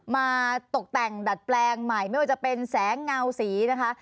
มาตกแต่งดัดแปลงใหม่ไม่ว่าจะเป็นแสงเงาสีนะคะ